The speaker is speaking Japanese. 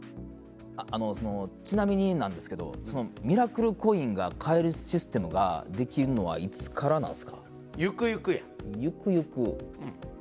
あのその、ちなみになんですけどミラクルコインが買えるシステムができるのはいつからなんすか。ゆくゆくや。